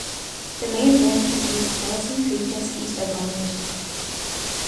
The main branch receives Collison Creek just east of Honor, Michigan.